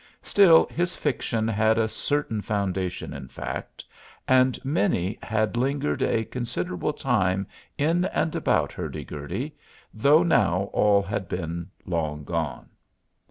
Still, his fiction had a certain foundation in fact, and many had lingered a considerable time in and about Hurdy Gurdy, though now all had been long gone.